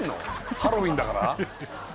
ハロウィンだから？